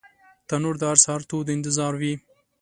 تنور د هر سهار تود انتظار وي